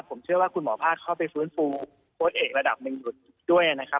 ผมเชื่อว่าคุณหมอภาคเข้าไปฟื้นฟูโค้ชเอกระดับหนึ่งอยู่ด้วยนะครับ